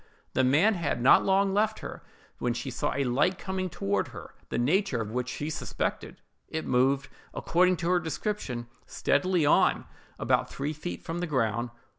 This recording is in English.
The man had not long left her, when she saw a light coming toward her, the nature of which she suspected. It moved, according to her description, steadily on, about three feet from the ground.